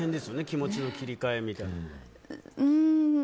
気持ちの切り替えみたいな。